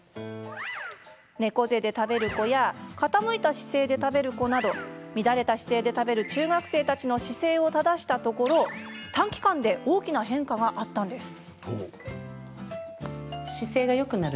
猫背で食べる子や傾いた姿勢で食べる子など乱れた姿勢で食べる中学生たちの姿勢を正したところ短期間で大きな変化があったといいます。